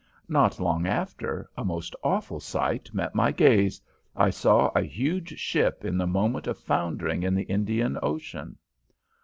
Not long after, a most awful sight met my gaze. I saw a huge ship at the moment of foundering in the Indian Ocean.